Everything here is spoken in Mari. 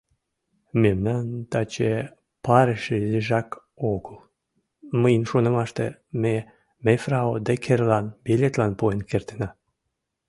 Мемнан таче парыш изижак огыл, мыйын шонымаште, ме мефрау Деккерлан билетлан пуэн кертына.